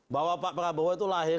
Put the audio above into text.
bahwa pak prabowo itu lahir